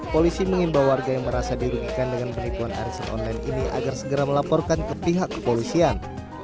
polisi mengimbau warga yang merasa dirugikan dengan penipuan arisan online ini agar segera melaporkan ke pihak kepolisian